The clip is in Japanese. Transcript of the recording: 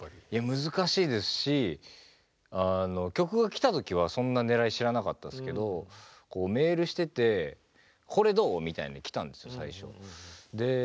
難しいですし曲が来た時はそんなねらい知らなかったですけどメールしててこれどう？みたいに来たんですよ最初。